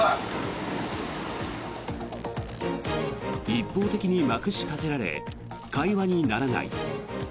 一方的にまくし立てられ会話にならない。